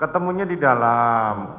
ketemunya di dalam